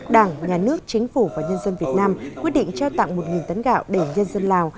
đảng nhà nước chính phủ và nhân dân việt nam quyết định trao tặng một tấn gạo để nhân dân lào